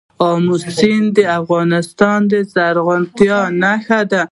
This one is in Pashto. آمو سیند د افغانستان د زرغونتیا نښه ده.